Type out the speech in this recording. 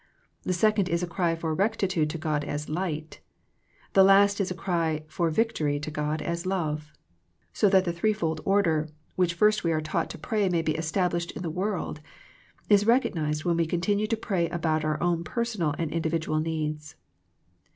The second is a cry for rectitude to God as " Light." The last is a cry for victory to God as " Love." So that the threefold order, which we first are taught to pray may be established in the world, is recognized when we continue to pray about our own persoidal and individual needs.